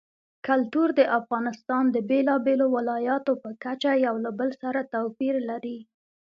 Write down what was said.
کلتور د افغانستان د بېلابېلو ولایاتو په کچه یو له بل سره توپیر لري.